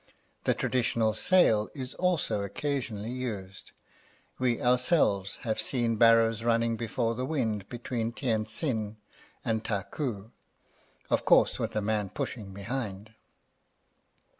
The traditional sail is also occasionally used: we ourselves have seen barrows running before the wind between Tientsin and Taku, of course with a man pushing behind.